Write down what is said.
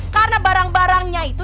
karena barang barangnya itu